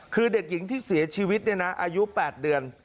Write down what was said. คือเด็กหญิงที่เสียชีวิตเนี่ยนะอายุ๘เดือน